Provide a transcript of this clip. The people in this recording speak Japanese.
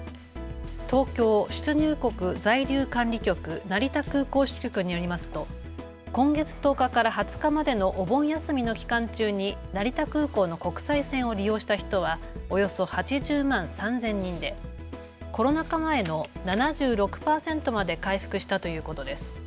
東京出入国在留管理局成田空港支局によりますと今月１０日から２０日までのお盆休みの期間中に成田空港の国際線を利用した人はおよそ８０万３０００人でコロナ禍前の７６％まで回復したということです。